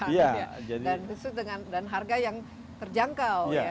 dan itu dengan harga yang terjangkau ya